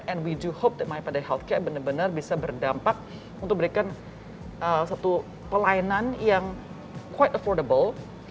and we do hope that mayapada healthcare benar benar bisa berdampak untuk berikan satu pelayanan yang quite affordable